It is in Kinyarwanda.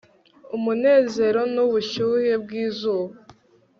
umunezero nubushyuhe bwizuba